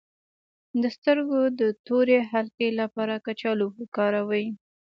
د سترګو د تورې حلقې لپاره کچالو وکاروئ